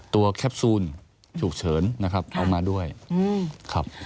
แคปซูลฉุกเฉินนะครับเอามาด้วยครับ